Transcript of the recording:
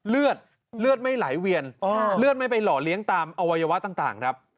เลือดเลือดไม่ไหลเวียนเลือดไม่ไปหล่อเลี้ยงตามอวัยวะต่างครับ